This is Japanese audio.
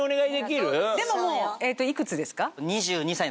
でももう幾つですか？